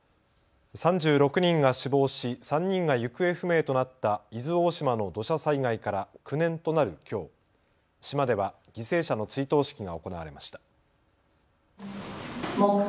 ３６人が死亡し３人が行方不明となった伊豆大島の土砂災害から９年となるきょう島では犠牲者の追悼式が行われました。